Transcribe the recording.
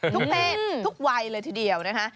ทุกเพศทุกวัยเลยทีเดียวนะคะ